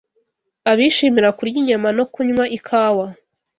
Abishimira kurya inyama no kunywa ikawa